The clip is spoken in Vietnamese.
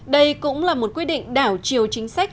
đây cũng là một quy định đảo chiều chính sách